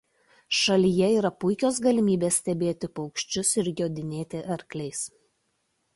Šalyje yra puikios galimybės stebėti paukščius ir jodinėti arkliais.